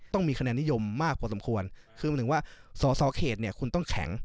ต้องมีคะแนนนิยมมากพอสมควรคือหมายถึงว่าสอสอเขตเนี่ยคุณต้องแข็ง